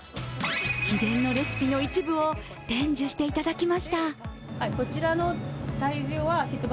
秘伝のレシピの一部を伝授していただきました。